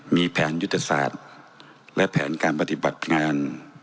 มีแผนยุทธศาสตร์และแผนการปฏิบัติงาน